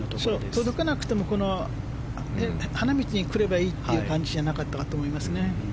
届かなくても花道に来ればいいという感じじゃなかったかと思います。